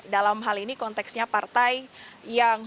dalam hal ini konteksnya partai yang